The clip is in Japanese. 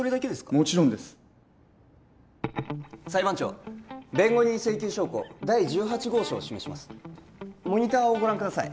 もちろんです裁判長弁護人請求証拠第十八号証を示しますモニターをご覧ください